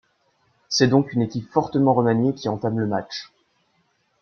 C'est donc une équipe fortement remaniée qui entame le match.